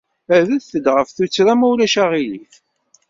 Rret-d ɣef tuttra, ma ulac aɣilif.